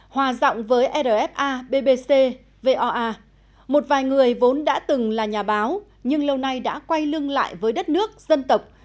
hòa rộng với rfa bbc voa một vài người vốn đã từng là nhà báo nhưng lâu nay đã quay lưng lại với đất nước dân tộc